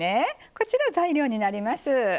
こちら材料になります。